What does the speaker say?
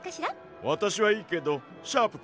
わたしはいいけどシャープくんは？